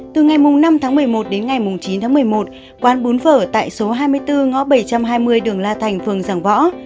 từ ngày năm tháng một mươi một đến ngày chín tháng một mươi một quán bún vở tại số hai mươi bốn ngõ bảy trăm hai mươi đường la thành phường giảng võ